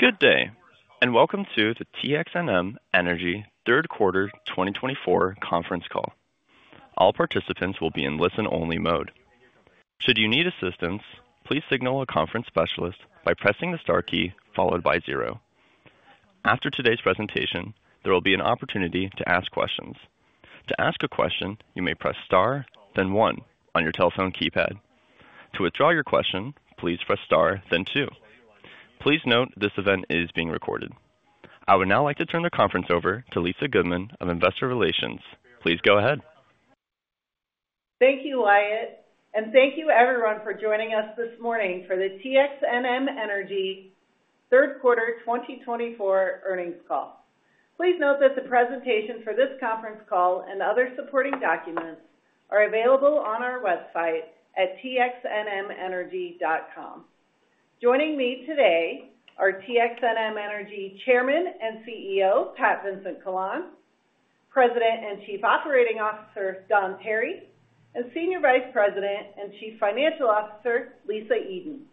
Good day, and welcome to the TXNM Energy Third Quarter 2024 Conference Call. All participants will be in listen-only mode. Should you need assistance, please signal a conference specialist by pressing the star key followed by zero. After today's presentation, there will be an opportunity to ask questions. To ask a question, you may press star, then one, on your telephone keypad. To withdraw your question, please press star, then two. Please note this event is being recorded. I would now like to turn the conference over to Lisa Goodman of Investor Relations. Please go ahead. Thank you, Wyatt, and thank you everyone for joining us this morning for the TXNM Energy Third Quarter 2024 Earnings Call. Please note that the presentation for this conference call and other supporting documents are available on our website at txnmenergy.com. Joining me today are TXNM Energy Chairman and CEO Pat Vincent-Collawn, President and Chief Operating Officer Don Tarry, and Senior Vice President and Chief Financial Officer Lisa Eden.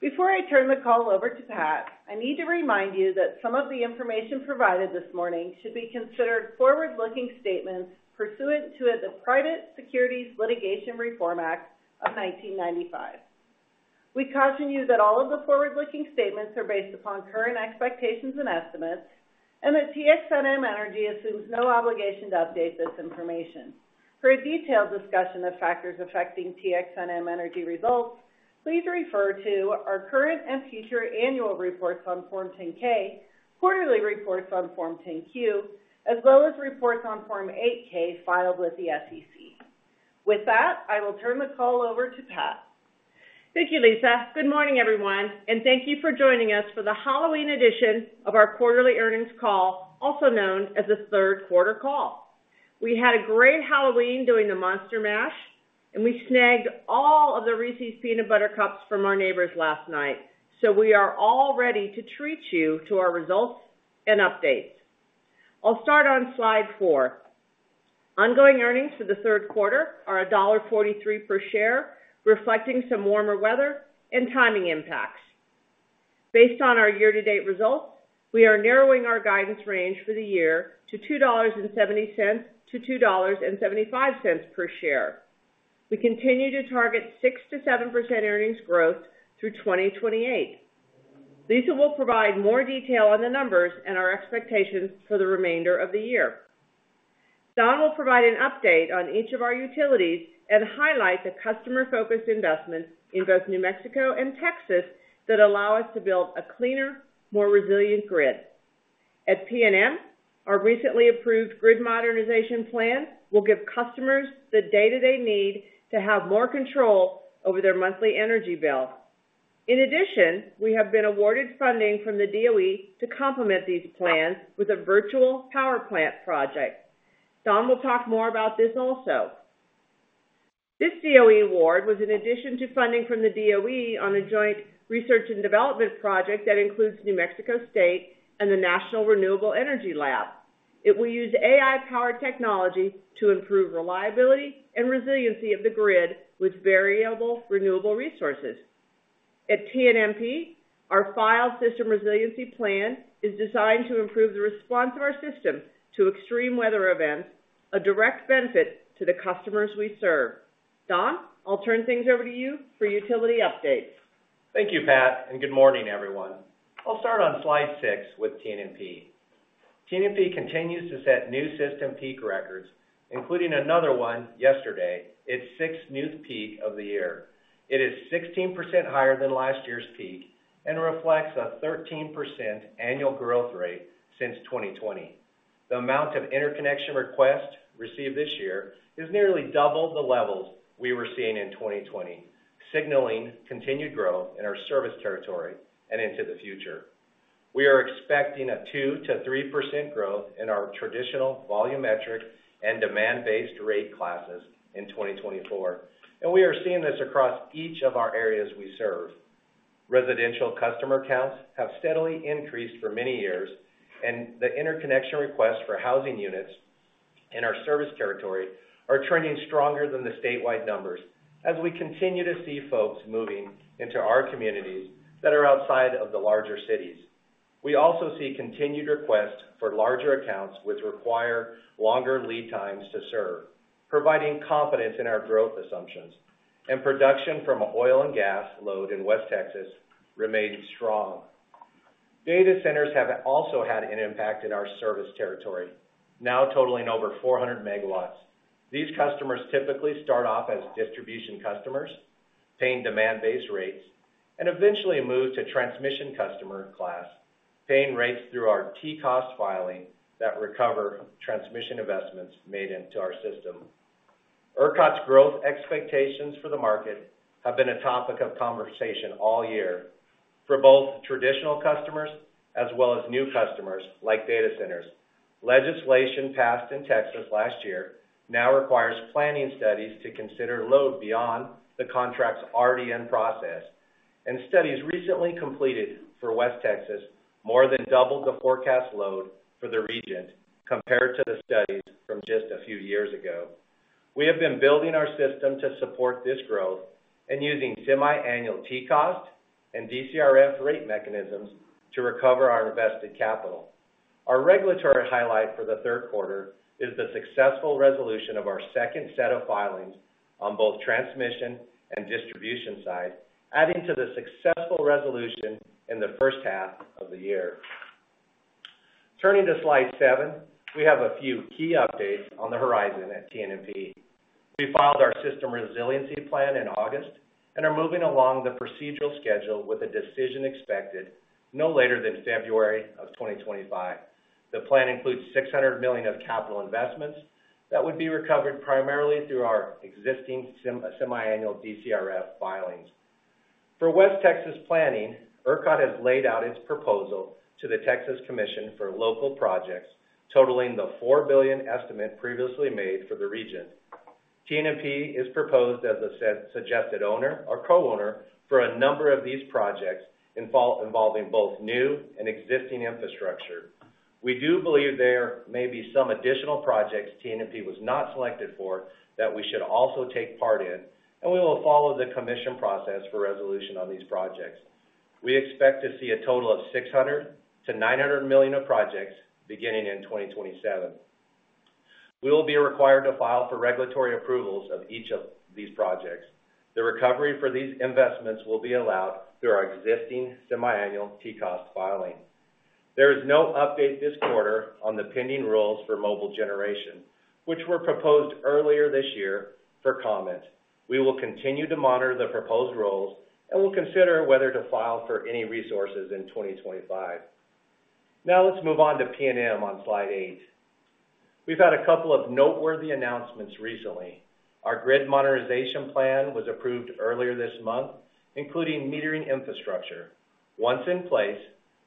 Before I turn the call over to Pat, I need to remind you that some of the information provided this morning should be considered forward-looking statements pursuant to the Private Securities Litigation Reform Act of 1995. We caution you that all of the forward-looking statements are based upon current expectations and estimates, and that TXNM Energy assumes no obligation to update this information. For a detailed discussion of factors affecting TXNM Energy results, please refer to our current and future annual reports on Form 10-K, quarterly reports on Form 10-Q, as well as reports on Form 8-K filed with the SEC. With that, I will turn the call over to Pat. Thank you, Lisa. Good morning, everyone, and thank you for joining us for the Halloween edition of our quarterly earnings call, also known as the Third Quarter Call. We had a great Halloween doing the Monster Mash, and we snagged all of the Reese's Peanut Butter Cups from our neighbors last night, so we are all ready to treat you to our results and updates. I'll start on slide four. Ongoing earnings for Q3 are $1.43 per share, reflecting some warmer weather and timing impacts. Based on our year-to-date results, we are narrowing our guidance range for the year to $2.70 to 2.75 per share. We continue to target 6% to 7% earnings growth through 2028. Lisa will provide more detail on the numbers and our expectations for the remainder of the year. Don will provide an update on each of our utilities and highlight the customer-focused investments in both New Mexico and Texas that allow us to build a cleaner, more resilient grid. At PNM, our recently approved Grid Modernization Plan will give customers the day-to-day need to have more control over their monthly energy bill. In addition, we have been awarded funding from the DOE to complement these plans with a virtual power plant project. Don will talk more about this also. This DOE award was in addition to funding from the DOE on a joint research and development project that includes New Mexico State and the National Renewable Energy Lab. It will use AI-powered technology to improve reliability and resiliency of the grid with variable renewable resources. At TNMP, our five-year System Resiliency Plan is designed to improve the response of our system to extreme weather events, a direct benefit to the customers we serve. Don, I'll turn things over to you for utility updates. Thank you, Pat, and good morning, everyone. I'll start on slide six with TNMP. TNMP continues to set new system peak records, including another one yesterday. It's sixth newest peak of the year. It is 16% higher than last year's peak and reflects a 13% annual growth rate since 2020. The amount of interconnection requests received this year is nearly double the levels we were seeing in 2020, signaling continued growth in our service territory and into the future. We are expecting a 2% to 3% growth in our traditional volume metric and demand-based rate classes in 2024, and we are seeing this across each of our areas we serve. Residential customer counts have steadily increased for many years, and the interconnection requests for housing units in our service territory are trending stronger than the statewide numbers as we continue to see folks moving into our communities that are outside of the larger cities. We also see continued requests for larger accounts which require longer lead times to serve, providing confidence in our growth assumptions, and production from an oil and gas load in West Texas remains strong. Data centers have also had an impact in our service territory, now totaling over 400MW. These customers typically start off as distribution customers, paying demand-based rates, and eventually move to transmission customer class, paying rates through our T-Cost filing that recovers transmission investments made into our system. ERCOT's growth expectations for the market have been a topic of conversation all year for both traditional customers as well as new customers like data centers. Legislation passed in Texas last year now requires planning studies to consider load beyond the contract's RDN process, and studies recently completed for West Texas more than doubled the forecast load for the region compared to the studies from just a few years ago. We have been building our system to support this growth and using semiannual T-Cost and DCRF rate mechanisms to recover our invested capital. Our regulatory highlight for Q3 is the successful resolution of our second set of filings on both transmission and distribution side, adding to the successful resolution in the first half of the year. Turning to slide seven, we have a few key updates on the horizon at TNMP. We filed our System Resiliency Plan in August and are moving along the procedural schedule with a decision expected no later than February of 2025. The plan includes $600 million of capital investments that would be recovered primarily through our existing semiannual DCRF filings. For West Texas planning, ERCOT has laid out its proposal to the Texas Commission for Local Projects, totaling the $4 billion estimate previously made for the region. TNMP is proposed as a suggested owner or co-owner for a number of these projects involving both new and existing infrastructure. We do believe there may be some additional projects TNMP was not selected for that we should also take part in, and we will follow the commission process for resolution on these projects. We expect to see a total of $600 to 900 million of projects beginning in 2027. We will be required to file for regulatory approvals of each of these projects. The recovery for these investments will be allowed through our existing semiannual T-Cost filing. There is no update this quarter on the pending rules for mobile generation, which were proposed earlier this year for comment. We will continue to monitor the proposed rules and will consider whether to file for any resources in 2025. Now let's move on to PNM on slide eight. We've had a couple of noteworthy announcements recently. Our grid modernization plan was approved earlier this month, including metering infrastructure. Once in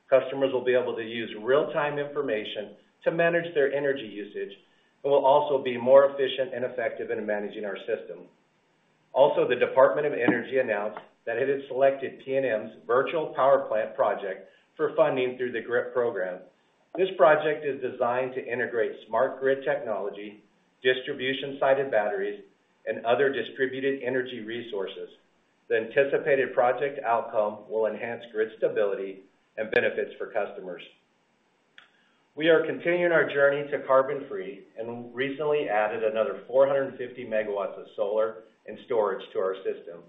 place, customers will be able to use real-time information to manage their energy usage and will also be more efficient and effective in managing our system. Also, the Department of Energy announced that it has selected PNM's virtual power plant project for funding through the GRIP program. This project is designed to integrate smart grid technology, distribution-sided batteries, and other distributed energy resources. The anticipated project outcome will enhance grid stability and benefits for customers. We are continuing our journey to carbon-free and recently added another 450MW of solar and storage to our system.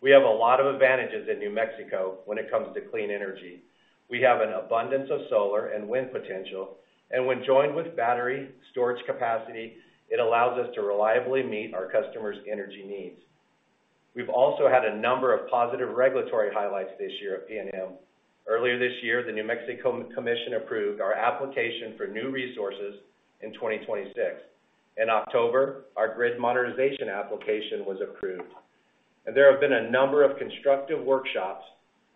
We have a lot of advantages in New Mexico when it comes to clean energy. We have an abundance of solar and wind potential, and when joined with battery storage capacity, it allows us to reliably meet our customers' energy needs. We've also had a number of positive regulatory highlights this year at PNM. Earlier this year, the New Mexico Commission approved our application for new resources in 2026. In October, our grid modernization application was approved, and there have been a number of constructive workshops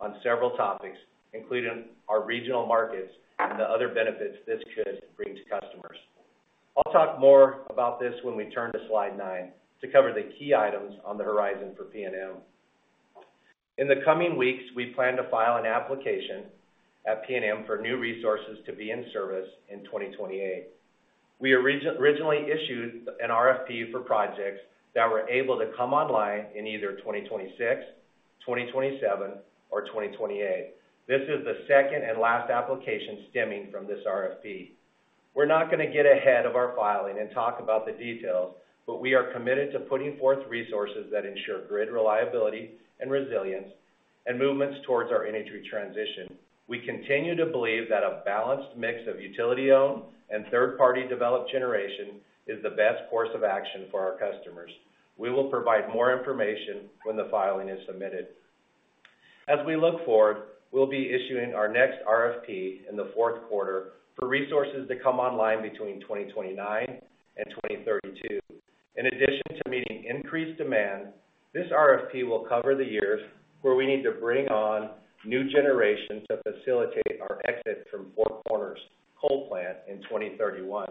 on several topics, including our regional markets and the other benefits this could bring to customers. I'll talk more about this when we turn to slide nine to cover the key items on the horizon for PNM. In the coming weeks, we plan to file an application at PNM for new resources to be in service in 2028. We originally issued an RFP for projects that were able to come online in either 2026, 2027, or 2028. This is the second and last application stemming from this RFP. We're not going to get ahead of our filing and talk about the details, but we are committed to putting forth resources that ensure grid reliability and resilience and movements towards our energy transition. We continue to believe that a balanced mix of utility-owned and third-party developed generation is the best course of action for our customers. We will provide more information when the filing is submitted. As we look forward, we'll be issuing our next RFP in Q4 for resources to come online between 2029 and 2032. In addition to meeting increased demand, this RFP will cover the years where we need to bring on new generation to facilitate our exit from Four Corners Power Plant in 2031.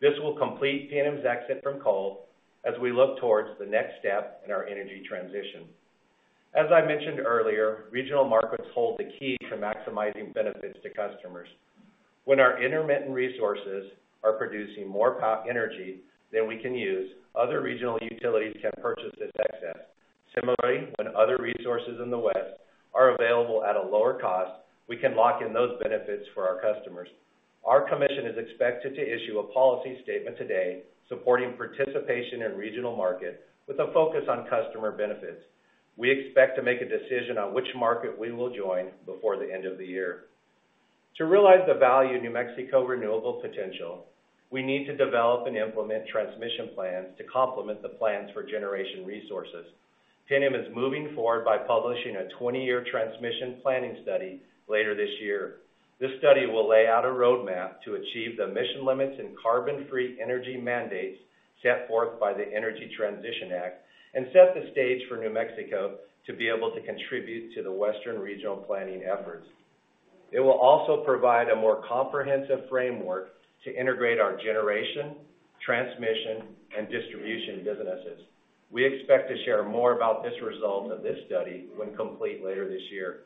This will complete PNM's exit from coal as we look toward the next step in our energy transition. As I mentioned earlier, regional markets hold the key to maximizing benefits to customers. When our intermittent resources are producing more power energy than we can use, other regional utilities can purchase this excess. Similarly, when other resources in the West are available at a lower cost, we can lock in those benefits for our customers. Our commission is expected to issue a policy statement today supporting participation in regional markets with a focus on customer benefits. We expect to make a decision on which market we will join before the end of the year. To realize the value of New Mexico's renewable potential, we need to develop and implement transmission plans to complement the plans for generation resources. PNM is moving forward by publishing a 20-year transmission planning study later this year. This study will lay out a roadmap to achieve the emission limits and carbon-free energy mandates set forth by the Energy Transition Act and set the stage for New Mexico to be able to contribute to the Western regional planning efforts. It will also provide a more comprehensive framework to integrate our generation, transmission, and distribution businesses. We expect to share more about the results of this study when complete later this year.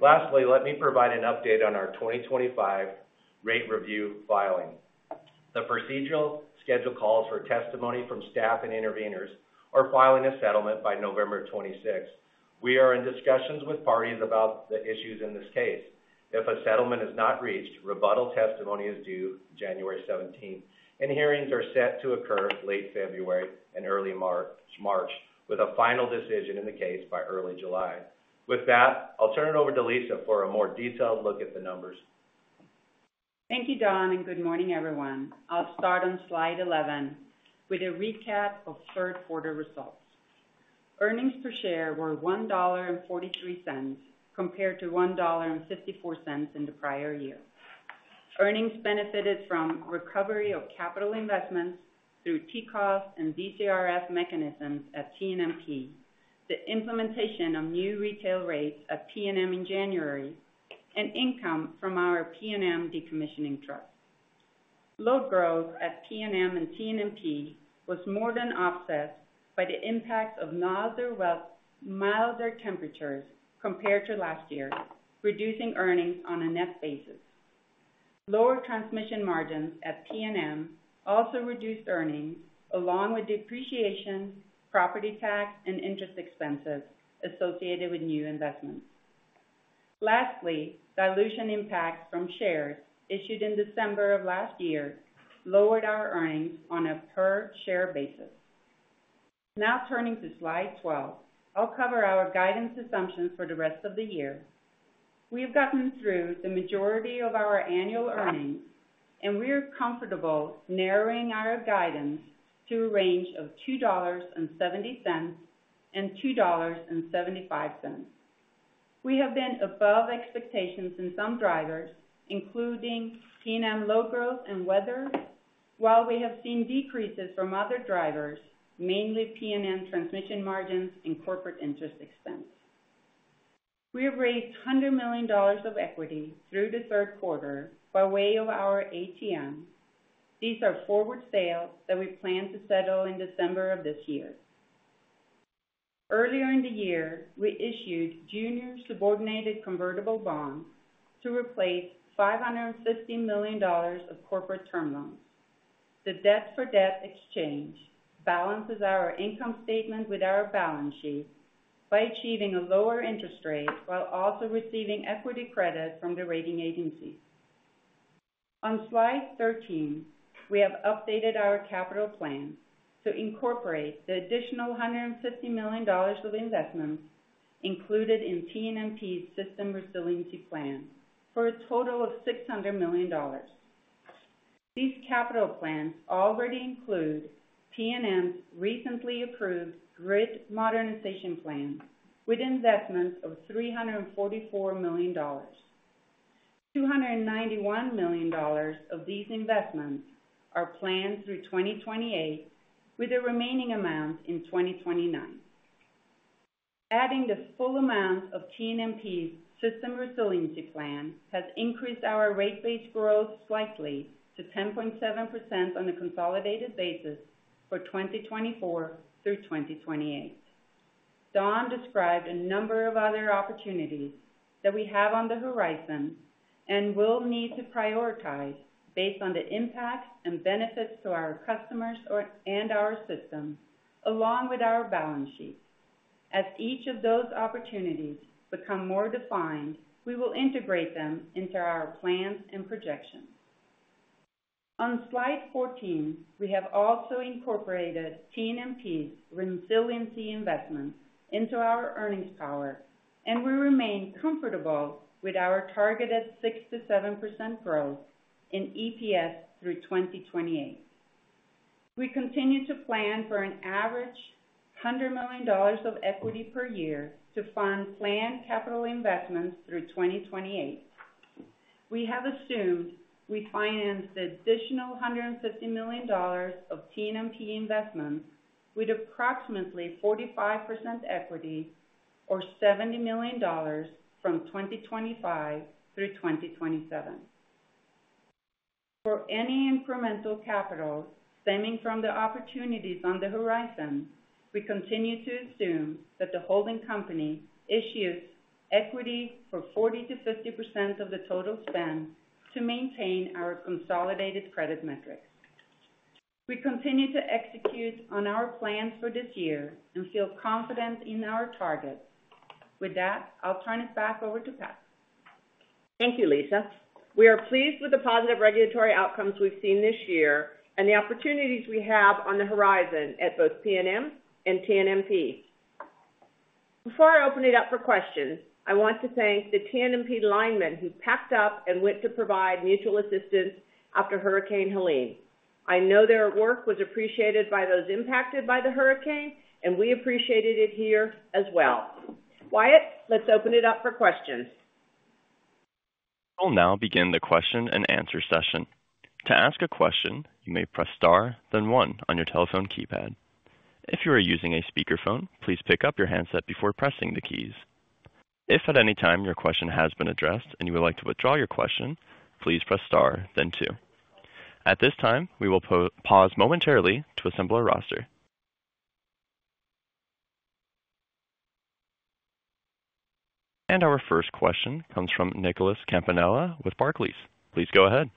Lastly, let me provide an update on our 2025 rate review filing. The procedural schedule calls for testimony from staff and intervenors are filing a settlement by 26th November. We are in discussions with parties about the issues in this case. If a settlement is not reached, rebuttal testimony is due 17th January, and hearings are set to occur late February and early March, with a final decision in the case by early July. With that, I'll turn it over to Lisa for a more detailed look at the numbers. Thank you, Don, and good morning, everyone. I'll start on slide 11 with a recap of Q3 results. Earnings per share were $1.43 compared to $1.54 in the prior year. Earnings benefited from recovery of capital investments through T-Cost and DCRF mechanisms at TNMP, the implementation of new retail rates at PNM in January, and income from our PNM decommissioning trust. Load growth at PNM and TNMP was more than offset by the impacts of milder temperatures compared to last year, reducing earnings on a net basis. Lower transmission margins at PNM also reduced earnings, along with depreciation, property tax, and interest expenses associated with new investments. Lastly, dilution impacts from shares issued in December of last year lowered our earnings on a per-share basis. Now turning to slide 12, I'll cover our guidance assumptions for the rest of the year. We have gotten through the majority of our annual earnings, and we are comfortable narrowing our guidance to a range of $2.70 to 2.75. We have been above expectations in some drivers, including PNM load growth and weather, while we have seen decreases from other drivers, mainly PNM transmission margins and corporate interest expense. We have raised $100 million of equity through Q3 by way of our ATM. These are forward sales that we plan to settle in December of this year. Earlier in the year, we issued junior subordinated convertible bonds to replace $550 million of corporate term loans. The debt-for-debt exchange balances our income statement with our balance sheet by achieving a lower interest rate while also receiving equity credit from the rating agencies. On Slide 13, we have updated our capital plan to incorporate the additional $150 million of investments included in TNMP's System Resiliency Plan for a total of $600 million. These capital plans already include PNM's recently approved grid modernization plan with investments of $344 million. $291 million of these investments are planned through 2028, with the remaining amount in 2029. Adding the full amount of TNMP's System Resiliency Plan has increased our rate base growth slightly to 10.7% on a consolidated basis for 2024 through 2028. Don described a number of other opportunities that we have on the horizon and will need to prioritize based on the impacts and benefits to our customers and our system, along with our balance sheet. As each of those opportunities become more defined, we will integrate them into our plans and projections. On slide 14, we have also incorporated TNMP's resiliency investments into our earnings power, and we remain comfortable with our targeted 6% to 7% growth in EPS through 2028. We continue to plan for an average $100 million of equity per year to fund planned capital investments through 2028. We have assumed we finance the additional $150 million of TNMP investments with approximately 45% equity or $70 million from 2025 through 2027. For any incremental capitals stemming from the opportunities on the horizon, we continue to assume that the holding company issues equity for 40% to 50% of the total spend to maintain our consolidated credit metrics. We continue to execute on our plans for this year and feel confident in our targets. With that, I'll turn it back over to Pat. Thank you, Lisa. We are pleased with the positive regulatory outcomes we've seen this year and the opportunities we have on the horizon at both PNM and TNMP. Before I open it up for questions, I want to thank the TNMP linemen who packed up and went to provide mutual assistance after Hurricane Helene. I know their work was appreciated by those impacted by the hurricane, and we appreciated it here as well. Wyatt, let's open it up for questions. We'll now begin the question and answer session. To ask a question, you may press star, then one on your telephone keypad. If you are using a speakerphone, please pick up your handset before pressing the keys. If at any time your question has been addressed and you would like to withdraw your question, please press star, then two. At this time, we will pause momentarily to assemble a roster. And our first question comes from Nicholas Campanella with Barclays. Please go ahead.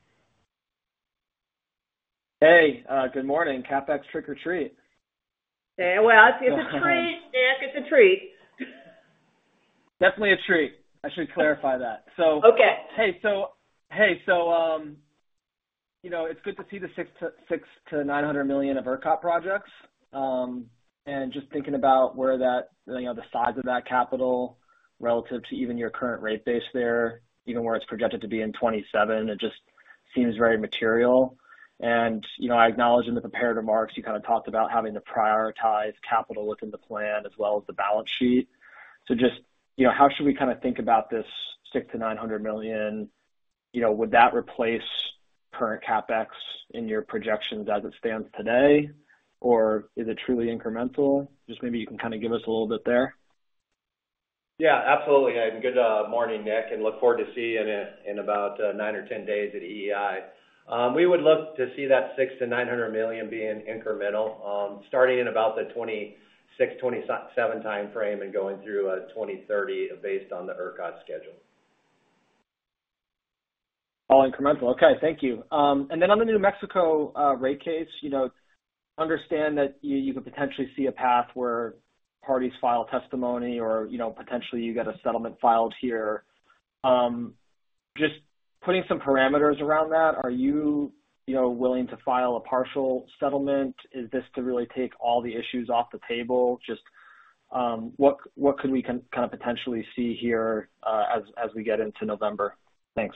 Hey, good morning. CapEx trick or treat? Hey, well, it's a treat. It's a treat. Definitely a treat. I should clarify that. Okay. So hey, so it's good to see the $600 to 900 million of ERCOT projects and just thinking about where that, the size of that capital relative to even your current rate base there, even where it's projected to be in 2027, it just seems very material, and I acknowledge in the prepared remarks, you kind of talked about having to prioritize capital within the plan as well as the balance sheet, so just how should we kind of think about this $6 to 900 million? Would that replace current CapEx in your projections as it stands today, or is it truly incremental? Just maybe you can kind of give us a little bit there. Yeah, absolutely. Good morning, Nick, and look forward to seeing it in about 9 or 10 days at EEI. We would look to see that $600 to 900 million being incremental, starting in about the 2026, 2027 timeframe and going through 2030 based on the ERCOT schedule. All incremental. Okay, thank you. And then on the New Mexico rate case, understand that you could potentially see a path where parties file testimony or potentially you get a settlement filed here. Just putting some parameters around that, are you willing to file a partial settlement? Is this to really take all the issues off the table? Just what could we kind of potentially see here as we get into November? Thanks.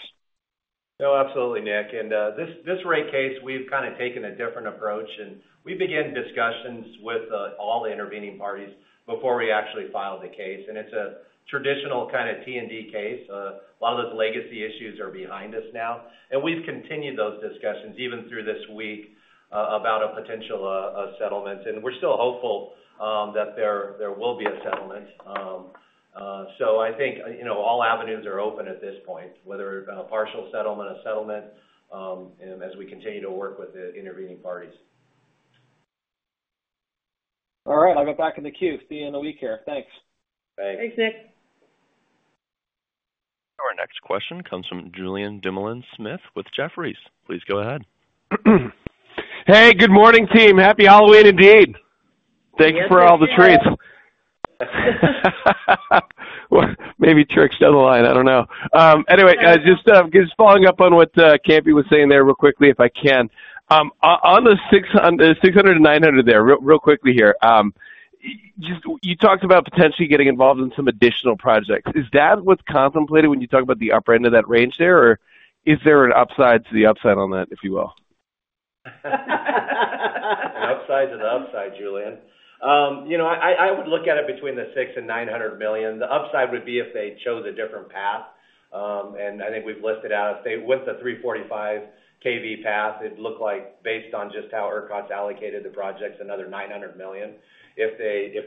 No, absolutely, Nick. And this rate case, we've kind of taken a different approach, and we began discussions with all the intervening parties before we actually filed the case. And it's a traditional kind of T&D case. A lot of those legacy issues are behind us now. And we've continued those discussions even through this week about a potential settlement. And we're still hopeful that there will be a settlement. So I think all avenues are open at this point, whether partial settlement or settlement, as we continue to work with the intervening parties. All right. I'll get back in the queue. See you in a week here. Thanks. Thanks. Thanks, Nick. Our next question comes from Julian Dumoulin-Smith with Jefferies. Please go ahead. Hey, good morning, team. Happy Halloween indeed. Thank you for all the treats. Maybe tricks down the line. I don't know. Anyway, just following up on what Campy was saying there real quickly, if I can. On the 600-900 there, real quickly here, you talked about potentially getting involved in some additional projects. Is that what's contemplated when you talk about the upper end of that range there, or is there an upside to the upside on that, if you will? The upside's an upside, Julian. I would look at it between the $600 million and $900 million. The upside would be if they chose a different path, and I think we've listed out with the 345 kV path, it looked like based on just how ERCOT's allocated the projects, another $900 million. If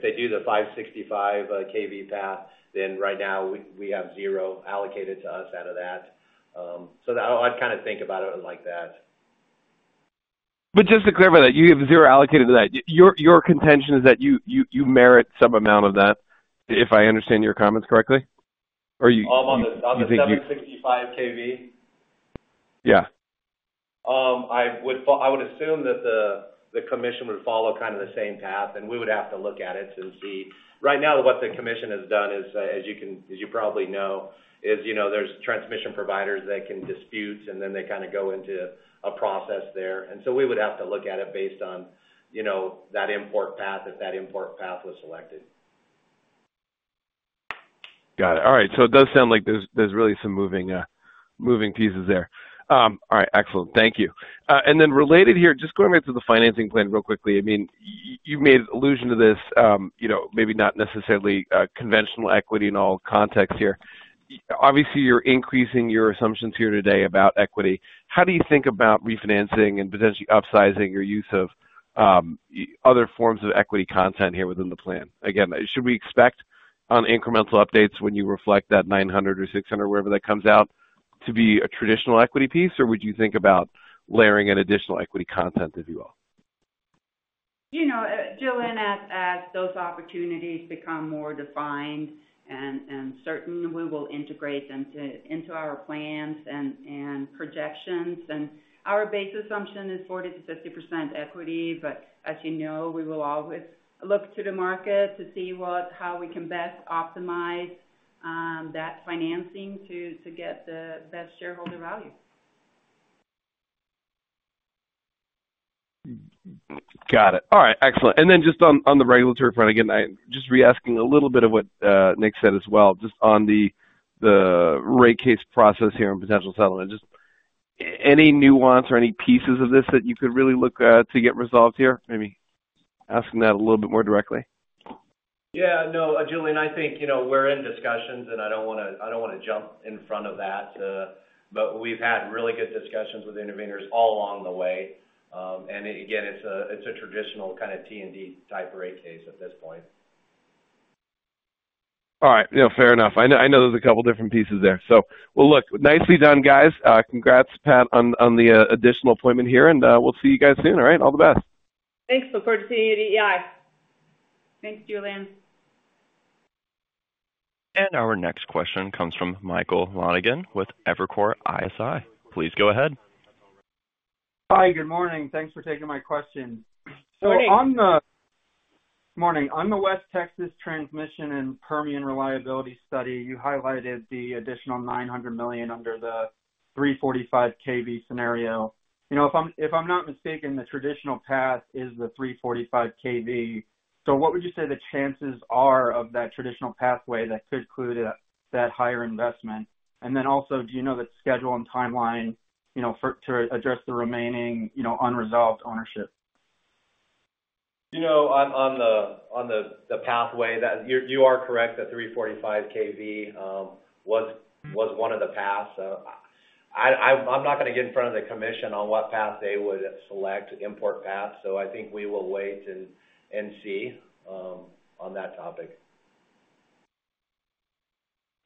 they do the 765 kV path, then right now we have zero allocated to us out of that, so I'd kind of think about it like that. But just to clarify that, you have zero allocated to that. Your contention is that you merit some amount of that, if I understand your comments correctly? Or you think you? I'm on the 765 kV. Yeah. I would assume that the commission would follow kind of the same path, and we would have to look at it to see. Right now, what the commission has done, as you probably know, is there's transmission providers that can dispute, and then they kind of go into a process there, and so we would have to look at it based on that import path if that import path was selected. Got it. All right. So it does sound like there's really some moving pieces there. All right. Excellent. Thank you. And then related here, just going back to the financing plan real quickly, I mean, you've made allusion to this, maybe not necessarily conventional equity in all context here. Obviously, you're increasing your assumptions here today about equity. How do you think about refinancing and potentially upsizing your use of other forms of equity content here within the plan? Again, should we expect on incremental updates when you reflect that 900 or 600, wherever that comes out, to be a traditional equity piece, or would you think about layering in additional equity content, if you will? Julian, as those opportunities become more defined and certain, we will integrate them into our plans and projections, and our base assumption is 40% to 50% equity, but as you know, we will always look to the market to see how we can best optimize that financing to get the best shareholder value. Got it. All right. Excellent. And then just on the regulatory front, again, just re-asking a little bit of what Nick said as well, just on the rate case process here and potential settlement. Just any nuance or any pieces of this that you could really look to get resolved here? Maybe asking that a little bit more directly. Yeah. No, Julian, I think we're in discussions, and I don't want to jump in front of that. But we've had really good discussions with the intervenors all along the way. And again, it's a traditional kind of T&D type rate case at this point. All right. No, fair enough. I know there's a couple of different pieces there. So well, look, nicely done, guys. Congrats, Pat, on the additional appointment here, and we'll see you guys soon. All right? All the best. Thanks. Look forward to seeing you at EEI. Thanks, Julian. Our next question comes from Michael Lonegan with Evercore ISI. Please go ahead. Hi, good morning. Thanks for taking my question. So on the. Morning. Morning. On the West Texas transmission and Permian reliability study, you highlighted the additional $900 million under the 345 kV scenario. If I'm not mistaken, the traditional path is the 345 kV. So what would you say the chances are of that traditional pathway that could include that higher investment? And then also, do you know the schedule and timeline to address the remaining unresolved ownership? You know, on the pathway, you are correct that 345 kV was one of the paths. I'm not going to get in front of the commission on what path they would select, import path. So I think we will wait and see on that topic.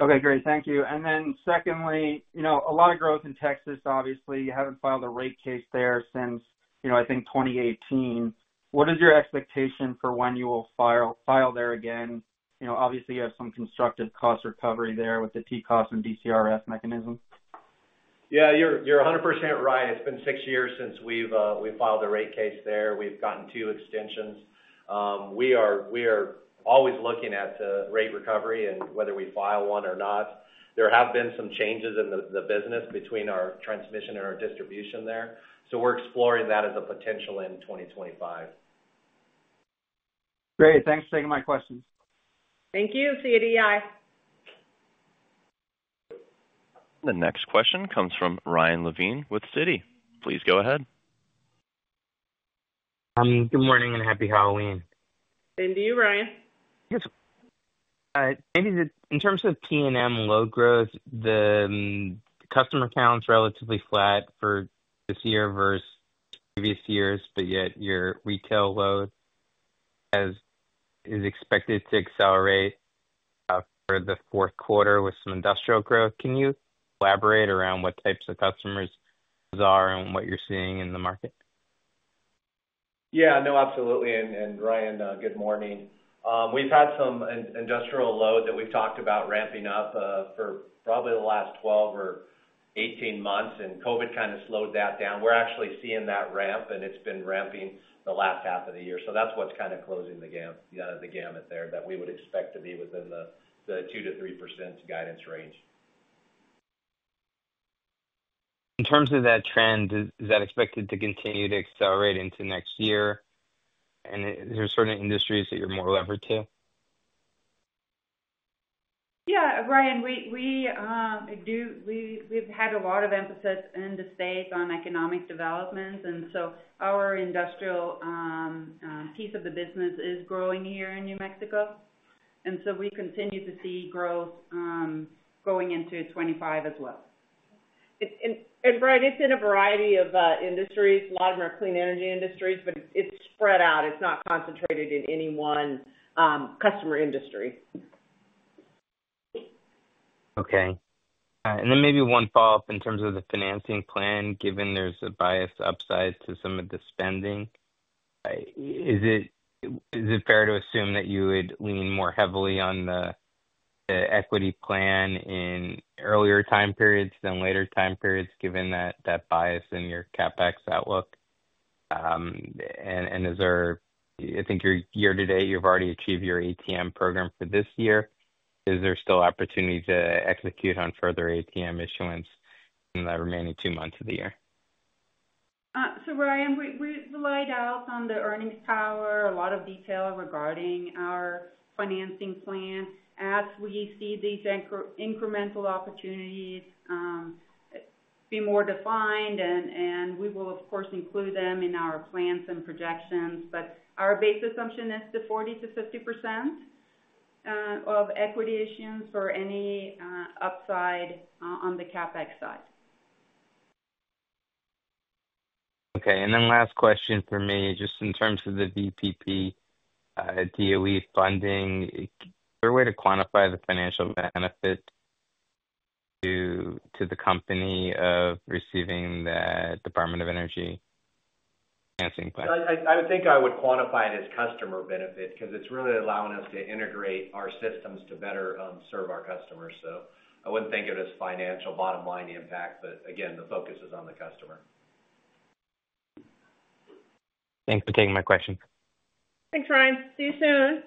Okay, great. Thank you. And then secondly, a lot of growth in Texas, obviously. You haven't filed a rate case there since, I think, 2018. What is your expectation for when you will file there again? Obviously, you have some constructive cost recovery there with the T-Cost and DCRF mechanism. Yeah, you're 100% right. It's been six years since we've filed a rate case there. We've gotten two extensions. We are always looking at rate recovery and whether we file one or not. There have been some changes in the business between our transmission and our distribution there. So we're exploring that as a potential in 2025. Great. Thanks for taking my questions. Thank you. See you at EEI. The next question comes from Ryan Levine with Citi. Please go ahead. Good morning and happy Halloween. And to you, Ryan. Yes. In terms of TNMP load growth, the customer count's relatively flat for this year versus previous years, but yet your retail load is expected to accelerate for Q4 with some industrial growth. Can you elaborate around what types of customers are and what you're seeing in the market? Yeah. No, absolutely. And Ryan, good morning. We've had some industrial load that we've talked about ramping up for probably the last 12 or 18 months, and COVID kind of slowed that down. We're actually seeing that ramp, and it's been ramping the last half of the year. So that's what's kind of closing the gap there that we would expect to be within the 2% to 3% guidance range. In terms of that trend, is that expected to continue to accelerate into next year? And are there certain industries that you're more leveraged to? Yeah. Ryan, we've had a lot of emphasis in the states on economic development, and so our industrial piece of the business is growing here in New Mexico, and so we continue to see growth going into 2025 as well. Brian, it's in a variety of industries. A lot of them are clean energy industries, but it's spread out. It's not concentrated in any one customer industry. Okay. And then maybe one follow-up in terms of the financing plan, given there's a biased upside to some of the spending. Is it fair to assume that you would lean more heavily on the equity plan in earlier time periods than later time periods, given that bias in your CapEx outlook? And I think year to date, you've already achieved your ATM program for this year. Is there still opportunity to execute on further ATM issuance in the remaining two months of the year? So Ryan, we've laid out on the earnings power a lot of detail regarding our financing plan as we see these incremental opportunities be more defined. And we will, of course, include them in our plans and projections. But our base assumption is the 40% to 50% of equity issuance for any upside on the CapEx side. Okay. And then last question for me, just in terms of the VPP DOE funding, is there a way to quantify the financial benefit to the company of receiving the Department of Energy financing plan? I would think I would quantify it as customer benefit because it's really allowing us to integrate our systems to better serve our customers. So I wouldn't think of it as financial bottom-line impact, but again, the focus is on the customer. Thanks for taking my question. Thanks, Ryan. See you soon.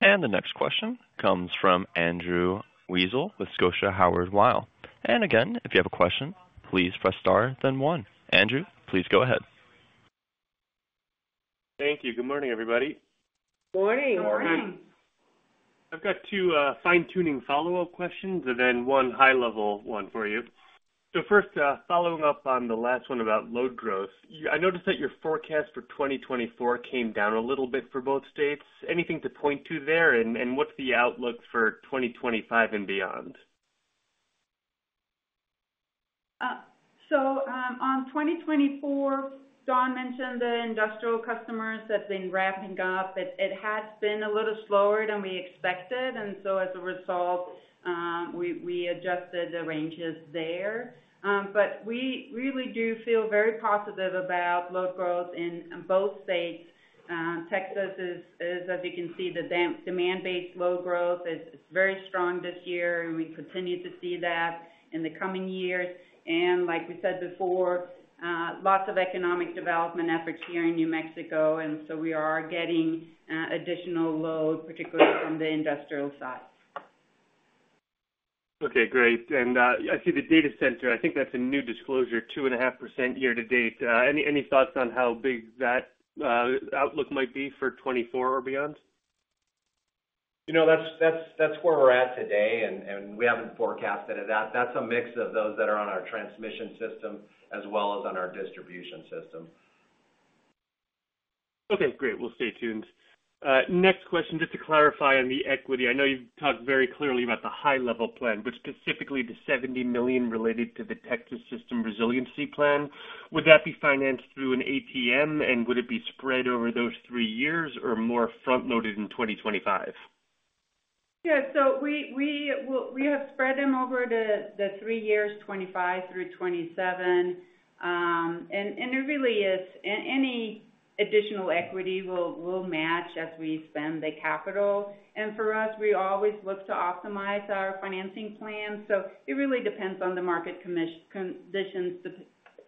The next question comes from Andrew Weisel with Scotia Howard Weil. Again, if you have a question, please press star, then one. Andrew, please go ahead. Thank you. Good morning, everybody. Morning. Morning. I've got two fine-tuning follow-up questions and then one high-level one for you. So first, following up on the last one about load growth, I noticed that your forecast for 2024 came down a little bit for both states. Anything to point to there? And what's the outlook for 2025 and beyond? In 2024, Don mentioned the industrial customers that have been ramping up. It had been a little slower than we expected. And so as a result, we adjusted the ranges there. But we really do feel very positive about load growth in both states. Texas is, as you can see, the demand-based load growth. It's very strong this year, and we continue to see that in the coming years. And like we said before, lots of economic development efforts here in New Mexico. And so we are getting additional load, particularly from the industrial side. Okay. Great, and I see the data center. I think that's a new disclosure, 2.5% year to date. Any thoughts on how big that outlook might be for 2024 or beyond? That's where we're at today, and we haven't forecasted it. That's a mix of those that are on our transmission system as well as on our distribution system. Okay. Great. We'll stay tuned. Next question, just to clarify on the equity. I know you've talked very clearly about the high-level plan, but specifically the $70 million related to the Texas System Resiliency Plan. Would that be financed through an ATM, and would it be spread over those three years or more front-loaded in 2025? Yeah. So we have spread them over the three years, 2025 through 2027. And it really is any additional equity will match as we spend the capital. And for us, we always look to optimize our financing plan. So it really depends on the market conditions,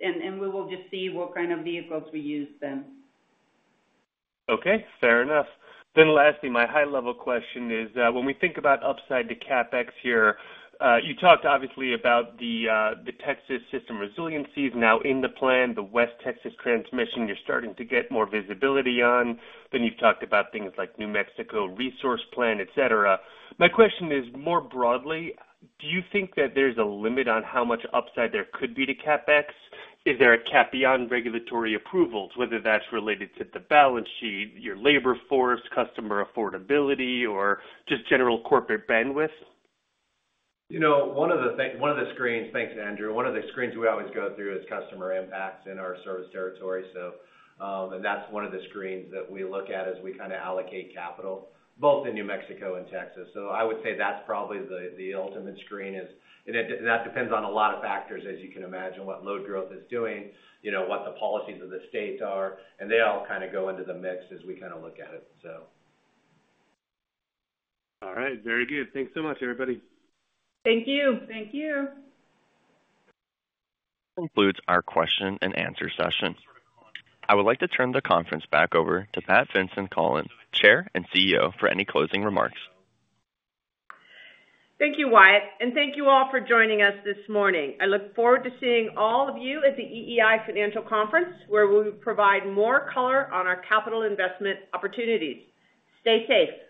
and we will just see what kind of vehicles we use then. Okay. Fair enough. Then lastly, my high-level question is, when we think about upside to CapEx here, you talked obviously about the Texas System Resiliency is now in the plan, the West Texas Transmission you're starting to get more visibility on. Then you've talked about things like New Mexico Resource Plan, etc. My question is more broadly, do you think that there's a limit on how much upside there could be to CapEx? Is there a cap beyond regulatory approvals, whether that's related to the balance sheet, your labor force, customer affordability, or just general corporate bandwidth? One of the screens, thanks, Andrew, one of the screens we always go through is customer impact in our service territory. And that's one of the screens that we look at as we kind of allocate capital, both in New Mexico and Texas. So I would say that's probably the ultimate screen. And that depends on a lot of factors, as you can imagine, what load growth is doing, what the policies of the state are. And they all kind of go into the mix as we kind of look at it, so. All right. Very good. Thanks so much, everybody. Thank you. Thank you. Concludes our question and answer session. I would like to turn the conference back over to Pat Vincent-Collawn, Chair and CEO, for any closing remarks. Thank you, Wyatt. And thank you all for joining us this morning. I look forward to seeing all of you at the EEI Financial Conference, where we will provide more color on our capital investment opportunities. Stay safe.